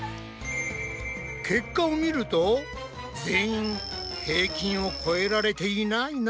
結果を見ると全員平均をこえられていないなぁ。